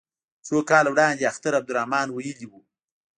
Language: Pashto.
څو کاله وړاندې اختر عبدالرحمن ویلي وو.